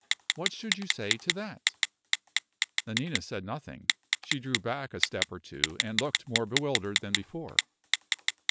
What should you say to that?" Nanina said nothing. She drew back a step or two, and looked more bewildered than before.